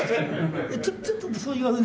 ちょっとそう言わずに。